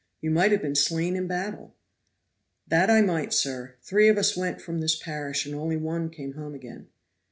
you might have been slain in battle." "That I might, sir; three of us went from this parish and only one came home again.